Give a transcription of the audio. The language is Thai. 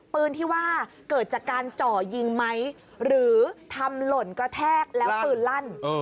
ปืนที่ว่าเกิดจากการเจาะยิงไหมหรือทำหล่นกระแทกแล้วปืนลั่น